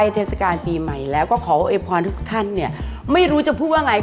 เทศกาลปีใหม่แล้วก็ขอโวยพรทุกท่านเนี่ยไม่รู้จะพูดว่าไง